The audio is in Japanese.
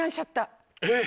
えっ！